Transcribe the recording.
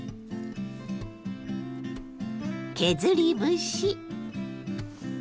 削り節。